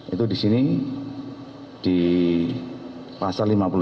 itu di sini di pasal lima puluh satu ya di artikel lima puluh satu itu ada